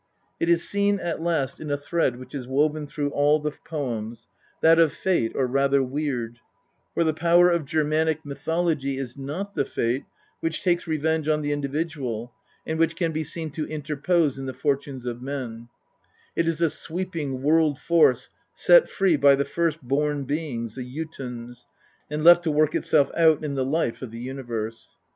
It is seen at last in a thread which is woven through all the poems that of Fate, or rather Weird ; for the power of Germanic mythology is not the Fate which takes revenge on the individual and which can be seen to interpose in the fortunes of men ; it is a sweeping world force set free by the first born beings, the Jotuns, and left to work itself out in the life of the universe.